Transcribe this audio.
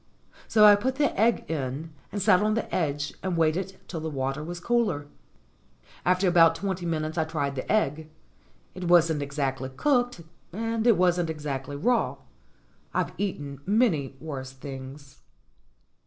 So I put the egg in, and sat on the edge and waited till the water was cooler. After about twenty minutes I tried the egg. It wasn't exactly cooked, and it wasn't exactly raw. I've eaten many worse things.